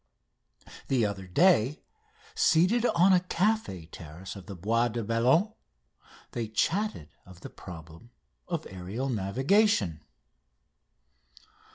The other day, seated on a café terrace of the Bois de Boulogne, they chatted of the problem of aerial navigation.